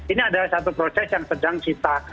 ini adalah satu proses yang sedang kita